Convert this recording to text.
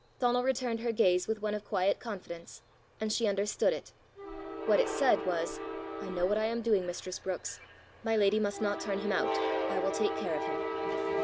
Donal returned her gaze with one of quiet confidence, and she understood it. What it said was, "I know what I am doing, mistress Brookes. My lady must not turn him out. I will take care of him."